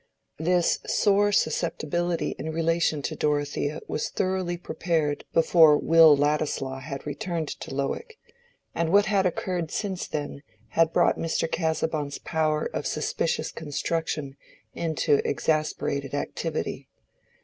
This sore susceptibility in relation to Dorothea was thoroughly prepared before Will Ladislaw had returned to Lowick, and what had occurred since then had brought Mr. Casaubon's power of suspicious construction into exasperated activity.